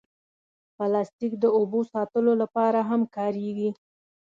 پلاستيک د اوبو ساتلو لپاره هم کارېږي.